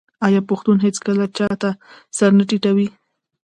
آیا پښتون هیڅکله چا ته سر نه ټیټوي؟